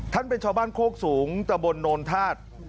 ท่านเป็นชาวบ้านโคกสูงตะบลโนนทาส